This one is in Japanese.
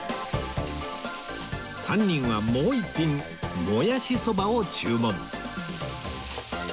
３人はもう一品もやしそばを注文